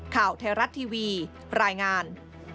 ข่าวแทรศทีวีรายงาน